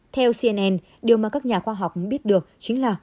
theo cnn điều mà các nhà khoa học biết được chính là